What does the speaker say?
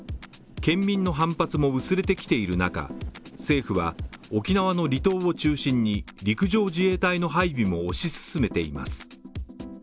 県民の反発も薄れてきている中、政府は沖縄の離島を中心に陸上自衛隊の配備も推し進めています。